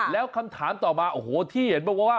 แล้วคำถามต่อมาโอ้โหที่เห็นบอกว่า